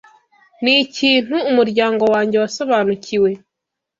Ni ikintu umuryango wanjye wasobanukiwe